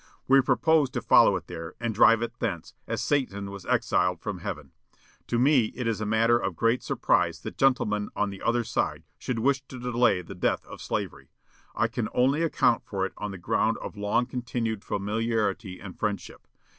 We propose to follow it there, and drive it thence, as Satan was exiled from heaven.... To me it is a matter of great surprise that gentlemen on the other side should wish to delay the death of slavery. I can only account for it on the ground of long continued familiarity and friendship....